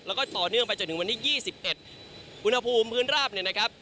แล้วก็ต่อเนื่องไปจนถึงวันที่๒๑อุณหภูมิพื้นราบเนี่ยนะครับ